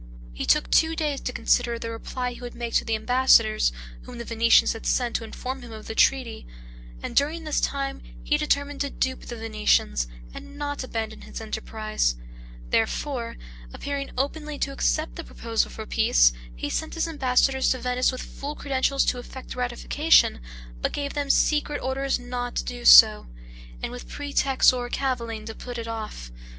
He took two days to consider the reply he would make to the ambassadors whom the Venetians had sent to inform him of the treaty, and during this time he determined to dupe the Venetians, and not abandon his enterprise; therefore, appearing openly to accept the proposal for peace, he sent his ambassadors to Venice with full credentials to effect the ratification, but gave them secret orders not to do so, and with pretexts or caviling to put it off.